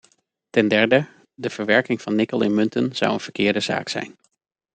Ten derde, de verwerking van nikkel in munten zou een verkeerde zaak zijn.